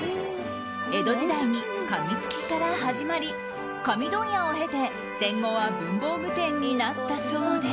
江戸時代に紙すきから始まり紙問屋を経て戦後は文房具店になったそうで。